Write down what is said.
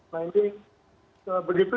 nah ini begitu